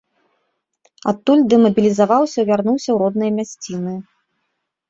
Адтуль дэмабілізаваўся і вярнуўся ў родныя мясціны.